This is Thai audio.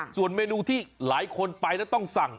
ส่วนเมนูที่หลายคนไปแล้วต้องสั่ง